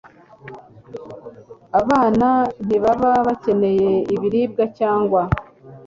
abana ntibaba bakeneye ibiribwa cyangwa